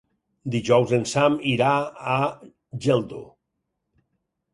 Dijous en Sam irà a Geldo.